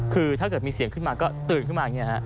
คือถ้าเกิดมีเสียงขึ้นมาก็ตื่นขึ้นมาอย่างนี้ฮะ